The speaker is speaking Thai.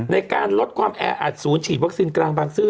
ในการลดความแออัดศูนย์ฉีดวัคซีนกลางบางซื่อ